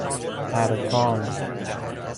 اَرکان